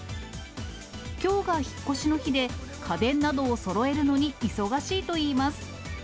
きょうが引っ越しの日で、家電などをそろえるのに忙しいといいます。